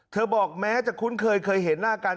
บอกแม้จะคุ้นเคยเคยเห็นหน้ากัน